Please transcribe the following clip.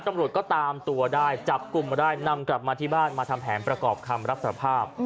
ตำรวจก็ตามตัวได้จับกลุ่มมาได้นำกลับมาที่บ้านมาทำแผนประกอบคำรับสารภาพ